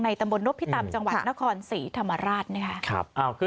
ตำบลนพิตำจังหวัดนครศรีธรรมราชนะครับ